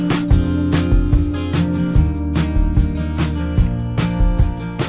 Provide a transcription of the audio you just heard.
ก็ตอนนี้กำลังดูเรื่องกับพี่สาวด้วยค่ะ